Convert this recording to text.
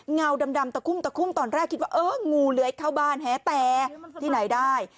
เงาดำตะคุ่มตะคุ่มตอนแรกคิดว่าเอองูเลื้อยเข้าบ้านแหแต่ที่ไหนได้